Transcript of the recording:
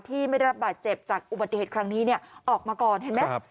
ไม่ได้รับบาดเจ็บจากอุบัติเหตุครั้งนี้ออกมาก่อนเห็นไหม